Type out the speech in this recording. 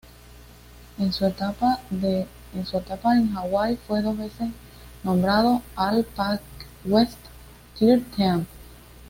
En su etapa en Hawaii fue dos veces nombrado All-PacWest Third Team.